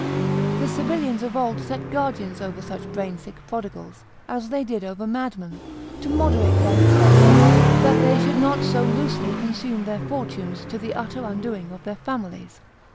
The civilians of old set guardians over such brain sick prodigals, as they did over madmen, to moderate their expenses, that they should not so loosely consume their fortunes, to the utter undoing of their families.